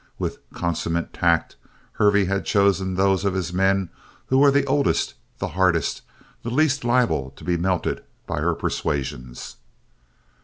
With consummate tact, Hervey had chosen those of his men who were the oldest, the hardest, the least liable to be melted by her persuasions.